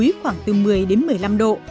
khoảng từ một mươi đến một mươi năm độ